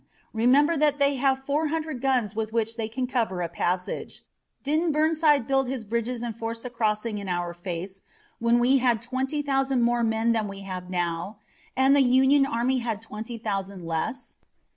Remember that they have four hundred guns with which they can cover a passage. Didn't Burnside build his bridges and force the crossing in our face, when we had twenty thousand more men than we have now, and the Union army had twenty thousand less?